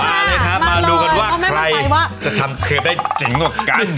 มาเลยครับมาดูกันว่าใครจะทำเธอได้เจ๋งกว่ากัน